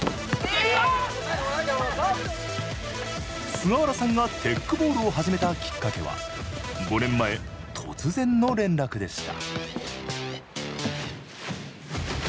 菅原さんがテックボールを始めたきっかけは５年前、突然の連絡でした。